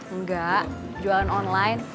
enggak jualan online